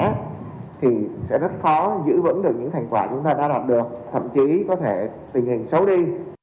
thì sẽ rất khó giữ vững được những thành quả chúng ta đã đạt được thậm chí có thể tình hình xấu đi